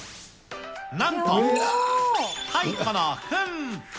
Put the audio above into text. なんと、蚕のふん。